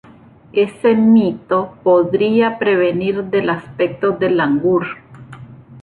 Ese mito podría provenir del aspecto del langur.